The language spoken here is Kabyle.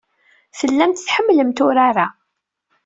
Tellamt tḥemmlemt urar-a.